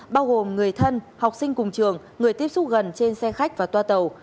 bao gồm người thân học sinh cùng trường người tiếp xúc gần trên xe khách và toa tàu